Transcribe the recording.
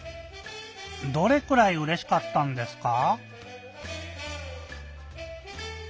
どれくらいうれしかったんですか？